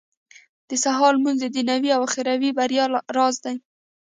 • د سهار لمونځ د دنيوي او اخروي بريا راز دی.